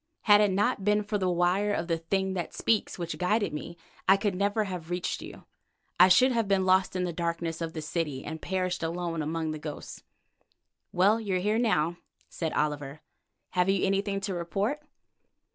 Had it not been for the wire of the 'thing that speaks' which guided me, I could never have reached you. I should have been lost in the darkness of the city and perished alone among the ghosts." "Well, you are here now," said Oliver. "Have you anything to report?"